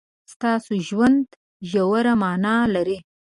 ستاسو ژوند ژوره مانا لري.